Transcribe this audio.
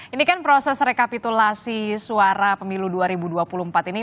ini kan proses rekapitulasi suara pemilu dua ribu dua puluh empat ini